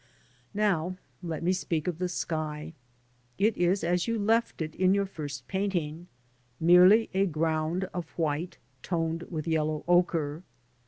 Now let me speak of the sky. It is as you left it in your first painting — merely a ground of white, toned with yellow ochre.